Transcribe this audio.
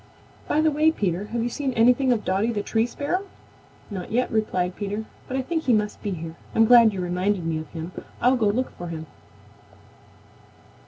By the way, Peter, have you seen anything of Dotty the Tree Sparrow?" "Not yet," replied Peter, "but I think he must be here. I'm glad you reminded me of him. I'll go look for him."